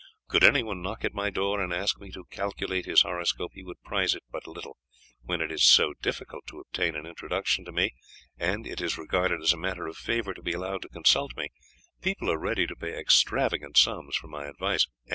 Could anyone knock at my door and ask me to calculate his horoscope he would prize it but little; when it is so difficult to obtain an introduction to me, and it is regarded as a matter of favour to be allowed to consult me, people are ready to pay extravagant sums for my advice.